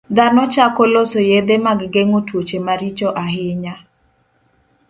Dhano chako loso yedhe mag geng'o tuoche maricho ahinya.